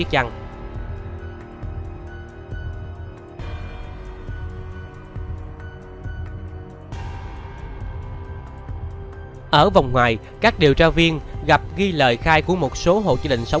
thì các điều tra viên của phòng cảnh sát hình sự